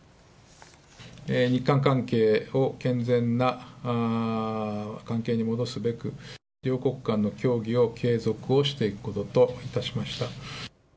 日韓関係を健全な関係に戻すべく、両国間の協議を継続をしていくことといたしました。